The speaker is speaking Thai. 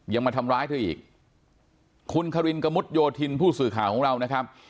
มาทำร้ายเธออีกคุณคารินกระมุดโยธินผู้สื่อข่าวของเรานะครับ